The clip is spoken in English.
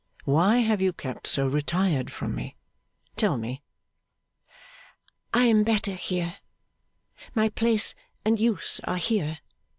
Why have you kept so retired from me? Tell me.' 'I am better here. My place and use are here.